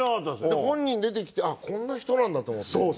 本人出てきてあっこんな人なんだと思って。